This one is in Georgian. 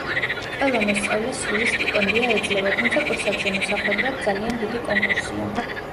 ყველა მოსწავლეს სრული სტიპენდია ეძლევა, თუმცა კურსებზე მოსახვედრად ძალიან დიდი კონკურსია.